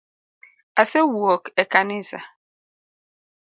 Ase wuok e kanisa